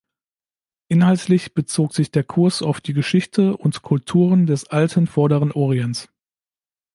Inhaltlich bezog sich der Kurs auf die Geschichte und Kulturen des alten vorderen Orients.